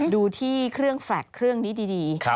ดูที่เครื่องเนี่ยคลิก